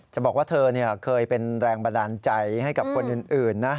บอกว่าเธอเคยเป็นแรงบันดาลใจให้กับคนอื่นนะ